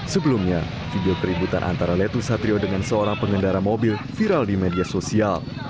sebelumnya video keributan antara letu satrio dengan seorang pengendara mobil viral di media sosial